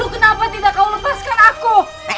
kenapa tidak kau lepaskan aku